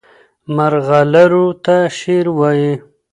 مرغلرو ته شعر وایي.